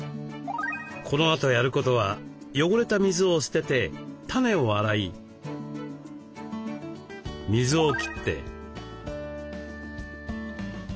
このあとやることは汚れた水を捨ててタネを洗い水を切って再び暗い場所へ。